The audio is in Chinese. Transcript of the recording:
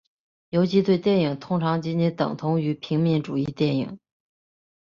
游击队电影通常仅仅等同于平民主义电影。